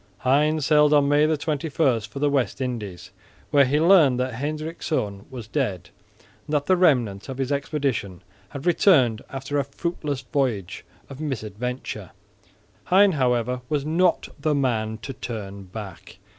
Hein sailed on May 21 for the West Indies, where he learnt that Hendrikszoon was dead and that the remnant of his expedition had returned after a fruitless voyage of misadventure. Hein however was not the man to turn back.